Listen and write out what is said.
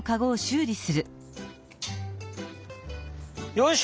よし！